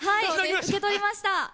受け取りました！